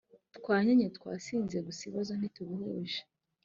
twanyeye twasinze gusa ibibazo ntitubihuje